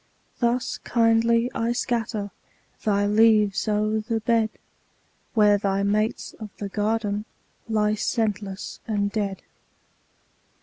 Thus kindly I scatter Thy leaves o'er the bed, Where thy mates of the garden Lie scentless and dead.